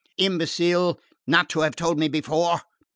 "Imbecile, not to have told me before!